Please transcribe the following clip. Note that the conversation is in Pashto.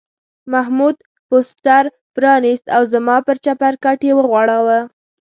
محمود پوسټر پرانیست او زما پر چپرکټ یې وغوړاوه.